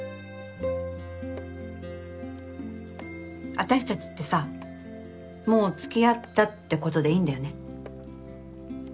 私たちってさもう付き合ったってことでいいんだよね？